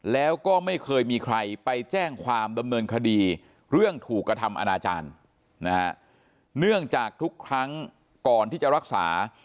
แล้วก็ไม่เคยมีใครไปแจ้งความดำเนินคดีเรื่องถูกกระทำอนาจารย์นะฮะเนื่องจากทุกครั้งก่อนที่จะรักษา